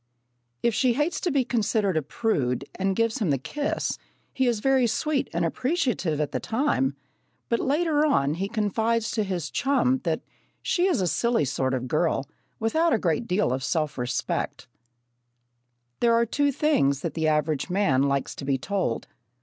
If she hates to be considered a prude and gives him the kiss, he is very sweet and appreciative at the time, but later on he confides to his chum that she is a silly sort of a girl, without a great deal of self respect! There are two things that the average man likes to be told.